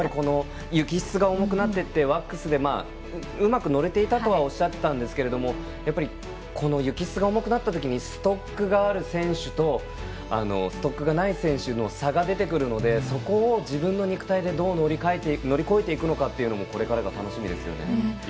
雪質が重くなっていてワックスでうまく乗れていたとはおっしゃってたんですけれどもこの雪質が重くなったときにストックがある選手とストックがない選手の差が出てくるのでそこを自分の肉体で、どう乗り越えていくのかっていうのもこれからが楽しみですよね。